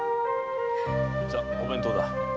お弁当だ。